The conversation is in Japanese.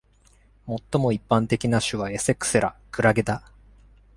最も一般的な種は「エセクセラ」クラゲだ。